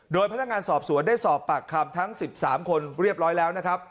โดยพนักงานสอบสวนได้สอบปากคำทั้ง๑๓คนเรียบร้อยแล้วนะครับ